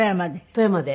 富山で。